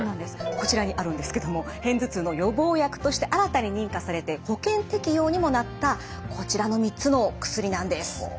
こちらにあるんですけども片頭痛の予防薬として新たに認可されて保険適用にもなったこちらの３つの薬なんです。